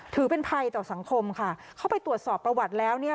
ถือเป็นภัยต่อสังคมค่ะเข้าไปตรวจสอบประวัติแล้วเนี่ย